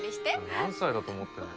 何歳だと思ってんだよ。